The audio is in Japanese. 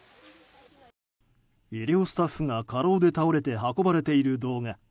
医療スタッフが過労で倒れて運ばれている動画。